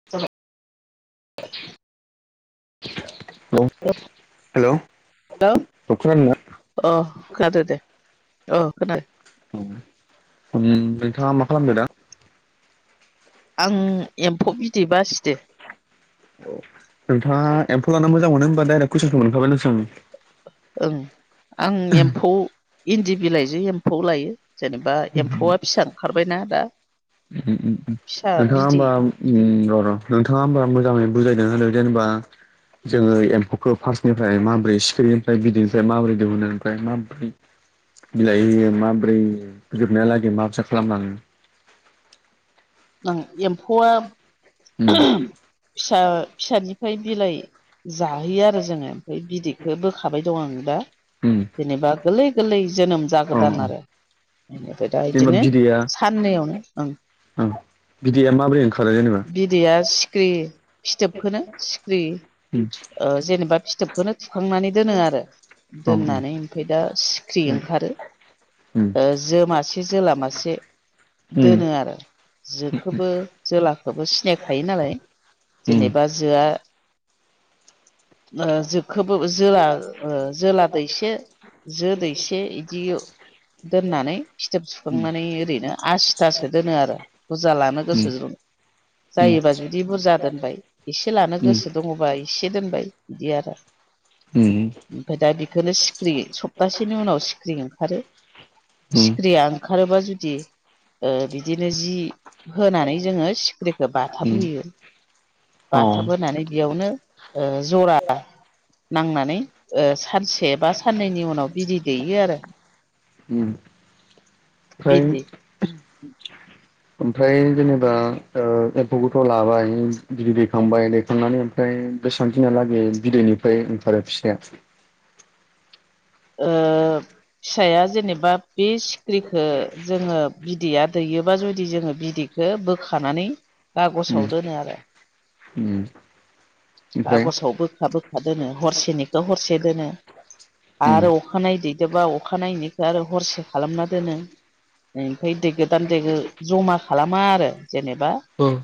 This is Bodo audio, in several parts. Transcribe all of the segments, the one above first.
[unintelligible] [inaudible] औ हेलौ औ खोनादोंना? अ खादोदे अ खोनादों। नोंथाङा मा खालामदों दा? आं एम्फौ बिदै बासिदो। नोंथाङा एम्फौ लानो मोजां मोनो होमबा डाइरेक्ट कुइसनखौ मोनखाबायनोसं ओं आं एम्फौ इन्दि बिलाइजों एम्फौ लायो जेनेबा एम्फौआ फिसा ओंखारबायना दा फिसा नोंथाङा बिदै होमबा उम र र नोंथाङा होमबा मोजाङै बुजायना होदों जेनेबा जोङो एम्फौखौ फार्स्टनिफ्राय माबोरै सिखिरिनिफ्राय बिदैनिफ्राय माबोरै दिहुो ओमफ्राय माबोरै बिलाइ होयो माब्रै जोबनायलागै माबायसा खालाम लाङो एम्फौआ उम फिसा फिसानि ओमफ्राय बिलाइ जाहोयो आरो जोङो ओमफ्राय बिदैखौ बोखाबाय दं आं दा। उम जेनेबा गोरलै गोरलै जोनोम औ जागोदान आरो बेनिफ्राय दा जेनेबा इदिनो बिदैया साननैयावनो ओं ओं बिदैया माबोरै ओंखारो जेनेबा बिदैया सिखिरि फिथोबखौनो सिख्रिरि उम ओ जेनेबा फिथोबखौनो थुखांनानै दोनो आरो औ उम दोननानै ओमफाय दा सिख्रि उम ओंखारो ओ जो मासे जोला मासे उम दोनो आरो। जोखौबो जोलाखौबो सिनायखायो नालाय उम उम जेनेबा जोआ ओ जोखौबो जोला जोला दैसे जो दैसे इदि दोननानै फिथोब सुखांनानै ओरैनो आसिथासो दोनो आरो बुरजा लानो उम गोसोजों उम जायोबा जुदि बुरजा दोनबाय एसे लानो उम गोसो दङबा एसे दोनबाय बिदि आरो उम ओमफ्राय दा बेखौनो सिख्रि सप्तासेनि उनाव सिख्रि ओंखारो उम सिखिरिया ओंखारोबा जुदि बिदिनो जि होनानै जोङो सिख्रिखौ उम बाथाब होयो। औ बाथाब होनानै बेयावनो ओ जरा नांनानै ओ सानसे बा साननैनि उनाव बिदै दैयो आरो। उम आमफ्राय बिदै ओमफ्राय जेनेबा ओ एम्फौखौथ' लाबाय बिदै दैखांबाय दैखांनानै ओमफ्राय बेसां दिनालागै बिदैनिफ्राय ओंखारो फिसाया? ओ फिसाया जेनेबा बे सिख्रिखो जोङो बिदैया दैयोबा जुदि जोङो बिदै खो बोखानानै उम कागसाव दोनो आरो। उम ओमफ्राय खागसाव बोखा बोखा दोनो हरसेनिखौ हरसे दोनो। उम आरो अखानायै दैैदोबा अखा नायनिखो आरो हरसे खालामना दोनो। ओमफ्राय दैगोदान दैगो जमा खालामा आरो जेनेबा उम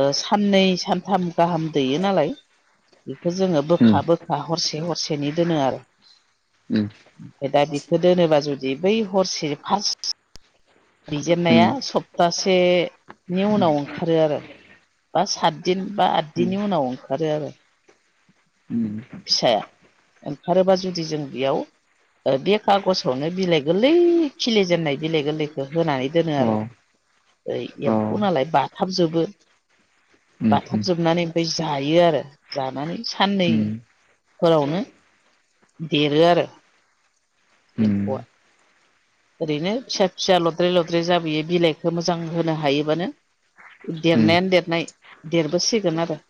ओ साननै सानथाम गाहाम दैयो नालाय इखौ जोङो बोखा उम बोखा हरसे हरसेनि दोनो आरो ओमफ्राय दा बिखो दोनोबा जुदि बै हरसे फार्स्ट दैजेननाया उम सप्तासेनि उनाव ओंखारो आरो। बा सातदिन बा उम आददिननि उनाव ओंखारो आरो उम फिसाया ओंखारोबा जुदि जों बेयाव ओ बे खागजावनो बिलाइ गोलै खिलि जेननाय बिलाइ गोलैखो होनानै दोनो अ आर' अ ओइ एम्फौ नालाय बाथाबजोबो उम उम बाथाब जोबनानै ओमफ्राय जायो आरो जानानै साननै उम फोरावनो देरो आरो उम एम्फौआ ओरैनो फिसा फिसा लद्रे लद्रे जाबोयो बिलाइखौ मोजां होनो हायोबानो उम देरनायानो देरनाय देरबोसिगोन आरो।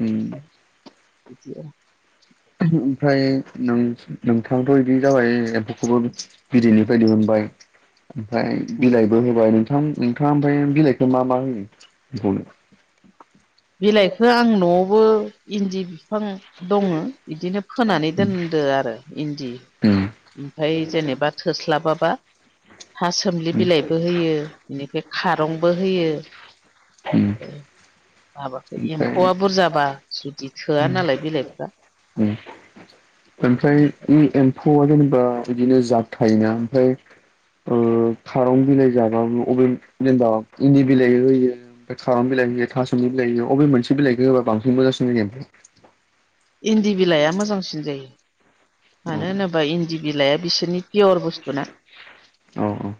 उम बिदिनो ओमफ्राय नों नोंथांथ' इदि जाबाय एम्फौखोबो बिदैनिफ्राय दिहुनबाय ओमफ्राय बिलाइबो होबाय नोंथां नोंथाङा ओमफ्राय बिलाइखौ मा मा होयो एम्फौनो बिलाइखो आं न'वावबो इन्दि बिफां दङ इदिनो फोनानै दोनदो आरो इन्दि उम ओमफ्राय जेनेबा थोस्लाबाबा था सोमलि उम बिलाइबो होयो बेनिफ्राय खारंबो होयो उम माबाखो ओमफ्राय एम्फौआ बुरजाबा जुदि थोआ नालाय बिलाइफ्रा उम ओमफ्राय एम्फौआ जेनेबा बिदिनो जाब थायोना ओमफ्राय ओ खारं बिलाइ जाबाबो अबे जेनबा इन्दि बिलाइ होयो खारं बिलाइ होयो था सुमलि बिलाइ होयो अबे मोनसे बिलाइखो होबा बांसिन मोजांसिन जायो ओमफाय इन्दि बिलाइआ मोजांसिन जायो। मानो ओमफ्राय होनोबा इन्दि बिलाइआ बिसोरनि पियर बुस्थुना औ औ औ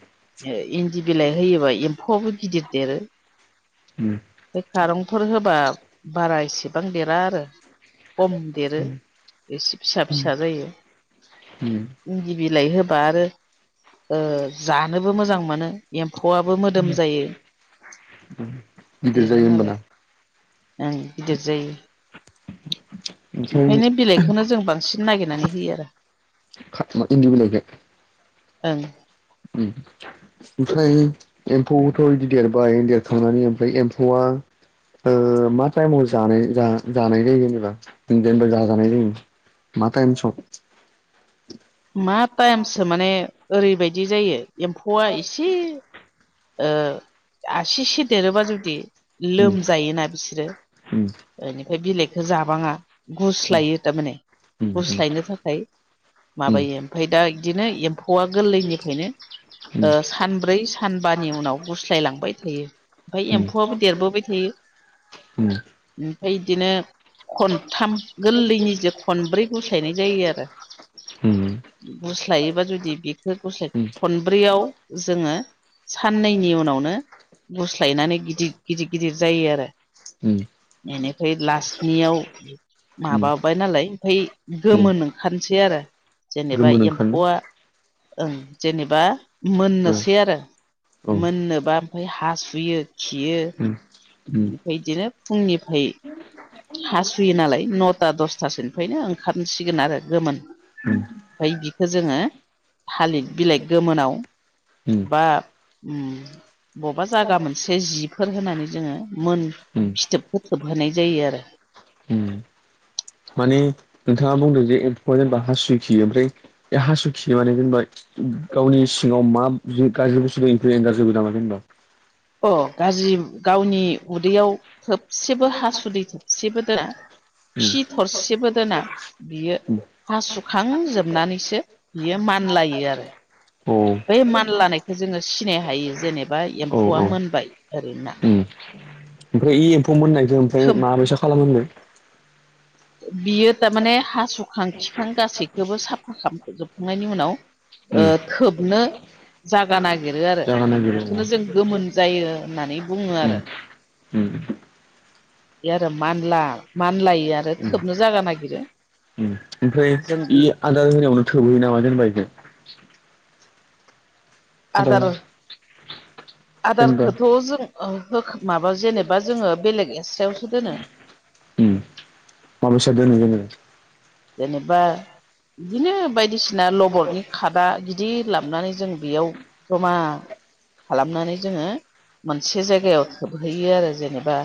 ओ इन्दि बिलाइ होयोबा एम्फौआबो गिदिर देरो। उम ओमफाय खारंफोर होबा बारा इसेबां देरा आरो। खम देरो एसे फिसा फिसा जायो उम इन्दि बिलाइ होबा आरो ओ जानोबो मोजां मोनो एम्फौआबो मोदोम जायो गिदिर देरो जायो होमबाना नालाय ओं गिदिर जायो ओंखायनो बिलाइखोनो जों बांसिन नायगिरनानै खाथुमा इन्दि बिलाइखो ओं [unintelligible] ओमफ्राय एम्फौखौथ' इदि देरबाय देरखांनानै ओमफ्राय एम्फौआ ओ मा टाइमाव जानाय जा-जानाय जायो जेनेबा जेनबा जाजानाय जायो? मा टाइम सम मा टाइमसो माने ओरैबायदि जायो एम्फौआ एसे ओ आसिसे देरोबा जुदि उम लोमजायोना बिस्रो उम ओनिफ्राय बिलाइखौ जाबाङा उम गुस्लायो थारमाने उम गुस्लायनो थाखाय माबायो ओमफाय दा इदिनो एम्फौआ गोलैनिफ्रायनो ओ सानब्रै सानबा नि उनाव गुस्लाय लांबाय थायो ओमफ्राय एम्फौआबो देरबोबाय थायो ओमफाय इदिनो खनथाम गोलैनिजो खनब्रै गुस्लायनाय जायो आरो गुस्लायोबा जुदि बेखौ गुस्लाय उम खनब्रैयाव जोङो साननैनि उनावनो गुस्लायनानै गिदिर गिदिर गिदिर जायो आरो उम एनिफ्राय लासनियाव उम माबाबाय नालाय आमफाय उम गोमोन ओंखारनोसै आरो जेनेबा गोमोन एम्फौआ ओंखारनो ओं जेनेबा मोननोसै औ आरो उम मोननोबा आमफाय हासुयो उम उम फाय इदिनो फुंनिफाय हासुयो नालाय नथा दसथासोनिफायनो ओंखारनोसिगोन आरो गोमोन आमफाय बिखौ जोङो थालिद बिलाइ गोमोनाव बा उम बबेबा जागा मोनसे जिफोर होनानै जोङो मोन उम फिथोबखो थोबहोनाय जायो आरो ओम माने नोंथाङा बुंदों जे एम्फौआ जेनेबा हासुयो खियो आमफ्राय बे हासु खियो माने जेनबा गावनि सिङाव मा गाज्रि बुस्थु दोङो बेफोरखौ हेंगारजोबो नामा हेनबा अ गाज्रि गावनि उदैयाव थोबसेबो हासुदै थोबसेबो दोना खि थरसेबो दोना बियो हासुखांजोबनानैसो बियो मानलायो आरो अ [unintelligible] औ बै मानलानायखौ जोङो सिनाय हायो जेनेबा औ ओम एम्फौआ मोनबाय ओरैना ओमफ्राय इ एम्फौ मोननायखो ओमफ्राय थोब माबायसा खालामो होनदो बियो थारमाने हासुखां खिखां गासैखोबो साफा खालामजोबखांनायनि उनाव ओ उम थोबनो जागा नागिरो आरो जागा नागिरो अ बेखौनो जों गोमोन जायो होननानै बुङो उम आरो उम बे आरो मानला [unintelligible] मानलायो आरो ओम थोबनो जागा नागिरो आमफ्राय जों इ बे आदार होनायावनो थोबहोयो नामा जेनबा इखो आदार जेनेबा आदारखोथ' जों ओ होख माबा जेनेबा जोङो बेलेग एस्रायावसो दोनो ओम माबायसा दोनो जेनेबा जेनेबा इदिनो बायदिसि ना लबरनि खादा गिदिर लाबोनानै जों बेयाव जमा खालामनानै जोङो मोनसे जायगायाव थोबहैयो आरो जेनेबा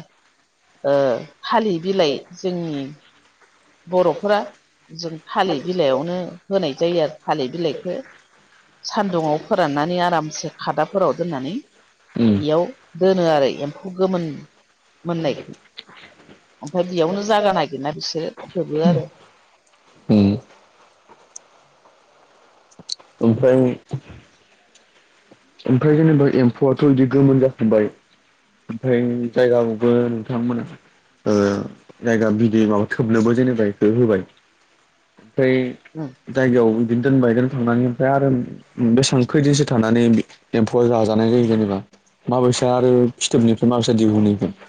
ओ थालि बिलाइ जोंनि बर'फोरा जों थालिर बिलाइयावनो होनाय जायो आरो थालिर बिलाइखो सान्दुङाव फोराननानै आरामसे खादाफोराव दोननानै उम एयाव दोनो आरो एम्फौ गोमोन मोननायखौ ओमफ्राय बेयावनो जागा नागिरना बिसोरो थोबो आरो उम ओमफ्राय ओमफ्राय जेनेबा एम्फौआथ इदि गोमोन जाखाबाय ओमफ्राय जायगाखौबो नोंथांमोना ओ जायगा बिदै माबा थोबनोबो जेनेबा इखौ होबाय ओमफ्राय [unintelligible] जायगायाव इदि दोनबाय दोनखानानै ओमफ्राय आरो बेसां खैदिनसो थानानै एम्फौआ जाजानाय जायो जेनेबा माबायसा आरो फिथोबनिफ्राय माबायसा दिहुनो इखो? [inaudible]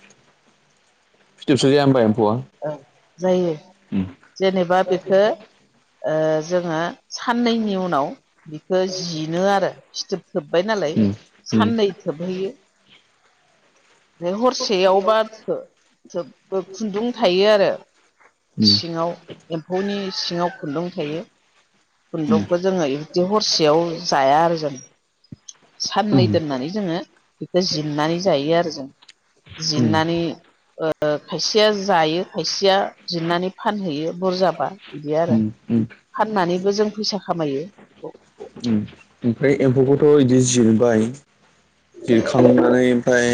ओं जायो उम जेनेबा बेखो ओ जोङो साननैनि उनाव बिखो जिनो आरो फिथोब थोब्बाय नालाय उम उम साननै थोबहोयो हरसेयावबा थो थोब खुन्दुं थायो आरो उम सिङाव एम्फौनि सिङाव खुन्दुं थायो खुन्दुंखौ जोङो इदि हरसेयाव जाया आरो जों उम साननै दोननानै जोङो बेखो जोमनानै जायो आरो जों जिरनानै ओ ओ खायसेया जायो खायसेया जिरनानै फानहैयो बुरजाबा इदि उम आरो उम फाननानैबो जों फैसा खामायो बेखौ उम ओमफ्राय एम्फौखौथ इदि जिरबाय जिरखांनानै ओमफाय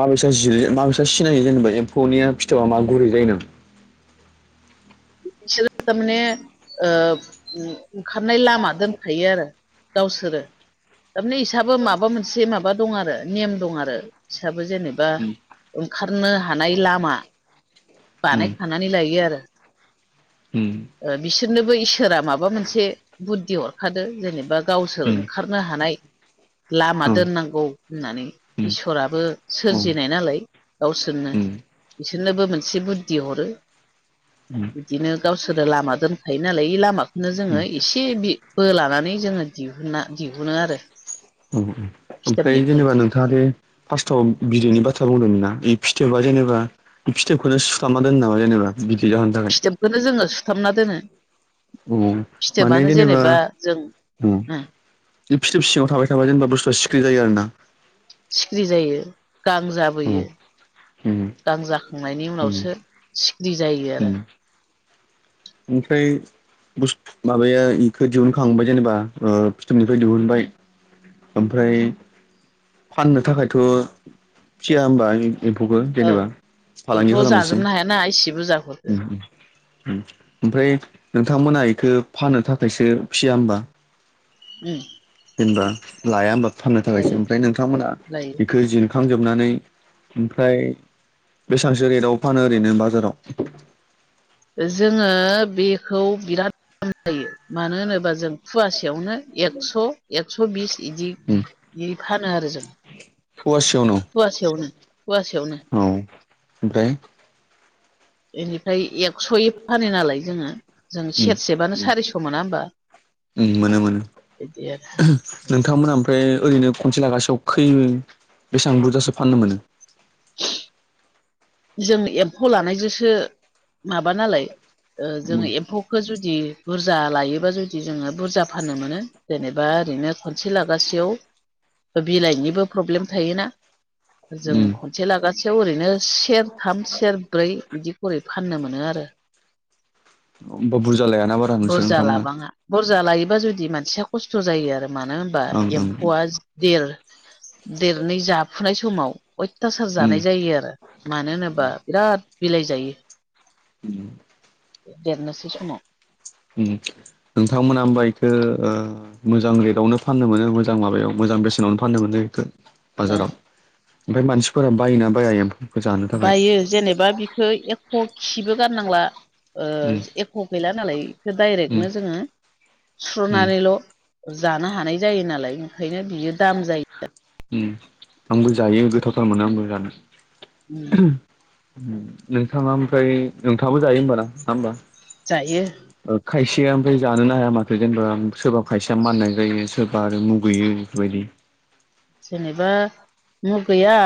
माबायसा जिरो माबायसा सिनायो जेनेबा एम्फौनिया फिथोबा मा गुरै जायो नामा? बिसोरो तारमाने ओ ओंखारनाय लामा दोनखायो आरो गावसोरो थारमाने इसाबो माबा मोनसे मा बा दं आरो नेम दं आरो फिसाबो जेने बा ओंखारनो हानाय लामा बानायखानानै लायो आरो उम बिसोरनोबो इसोरा माबा मोनसे बुद्धि हरखादो जेनेबा गावसोर ओंखार [unintelligible] हानाय लामा दोननांगौ होननानै इसोराबो सोरजिनाय नालाय गावसोरनो इसोरनोबो मोनसे बुद्धि हरो उम इदिनो गावसोरो लामा दोनखायो नालाय इ लामाखौनो नो जोङो इसे बि बि बोलानानै जोङो दिहुना दिहुनो आरो औ औ ओम ओमफ्राय फिथोबनिफ्राय जेनेबा नों थाङादि फास्टआव बिदैनि बाथ्रा बुंदोंमोनना बि फिथोबा जेनेबा फिथोबखौनो सुथामना दोनो नामा जेनेबा बिदै जाहोनो थाखाय फिथोबखौनो जोङो सुथाबना दोनो औ माने फिथोबानो जेनेबा जों अ फिथोब सिङाव थाबाय थाबा जेनेबा बुस्थुआ सिख्रि जायो आरोना सिख्रि जायो गां जाबोयो गां जाखांनायनि उनावसो सिख्रि जायो आरो ओमफ्राय बुस माबाया इखो दिहुनखांबाय जेनेबा ओ फिथोबनिफ्राय दिहुनबाय ओमफ्राय फाननो थाखायथ फिया होमबा एम्फौखो औ जेनेबा फालांगि जोंथ' खालामनोसो जाजोबनो हायाना इसे बुरजाखौसो उम उम उम ओमफ्राय नोंथांमोना इखो फाननो थाखायसो फिसिया होमबा? ओम जेनबा लाया ओमबा फाननो थाखायसो जायो ओमफ्राय नोंथांमोना लायो बेखो जिर खांजोबनानै ओमफ्राय बेसांसो रेटआव फानो ओरैनो बाजाराव जोङो बेखौ बिराद दाम जायो मानो होनोबा जों फुवासेयावनो एकस' एकस' बिस इदि बि फानो आरो जों फवासेयावनो फुवासेयावनो फुवासेयाव औ ओमफ्राय इनिफ्राय एक्स'यै फानो नालाय जोङो जों उम सेरसेबानो सारिस' मोना होमबा उम मोनो मोनो बिदि आरो नोंथांमोना ओमफ्राय ओरैनो खनसे लागासेयाव खै बेसां बुरजासो फाननो मोनो? [inaudible] [inaudible] जों एम्फौ लानायजोंसो माबा नालाय ओ उम जोङो एम्फौ खो [unintelligible] जुदि बुरजा लायोबा जुदि जोङो बुरजा फाननो मोनो जेनेबा ओरैनो खनसे लागासेयाव बिलाइनिबो प्रब्लेम थायोना। जों उम खनसे लागासेयाव ओरैनो सेरथाम सेरब्रै एदि खुरै फाननो मोनो आरो होमबा बुरजा लायाना बा‌ बुरजा लाबाङा बुरजा लायोबा जुदि मानसिया खस्थ' जायो आरो मानो होनबा ओं ओं एम्फौआ देर देरनै जाफुनाय समाव अयथासार उम जानाय जायो आरो मानो होनोबा बिराद बिलाइ जायो ओम देरनोसै समाव ओम‌। नोंथांमोना ओमबा एखौ मोजां रेदआवनो फाननो मोनो मोजां माबायाव मोजां बेसेनावनो फाननो मोनो इखो बाजाराव ओमफ्राय मानसिफोरा बायोना बाया एम्फौ? बायो जेनेबा बिखौ एख' खिबो गारनांला उम ओ ख' गैला नालाय बेखौ उम डाइरेक्टनो जोङो उम सुस्र'नानैल' जानो हानाय जायो नालाय ओंखायनो बियो दाम जायो। ओम आंबो जायो गोथावथार मोनो आंबो जायो जानो ओम नोंथाङा ओमफ्राय नोंथाङाबो जायो होमबा ना नङा होमबा? जायो। ओ खायसेया ओमफ्राय जानोनो हाया माथो जेनेबा सोरबा खायसेया माननाय जायो सोरबा आरो मुगैयो बेबायदि जेनेबा मुगैया